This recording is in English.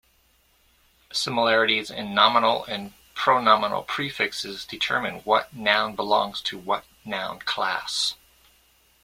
Similarities in nominal and pronominal prefixes determine what noun belongs to what noun class.